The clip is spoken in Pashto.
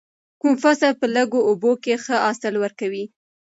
کوم فصل په لږو اوبو کې ښه حاصل ورکوي؟